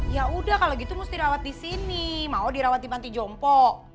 yaudah kalo gitu mesti dirawat disini mau dirawat di panti jompo